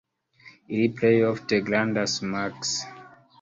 Ili plej ofte grandas maks.